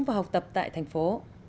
và học tập tại thành phố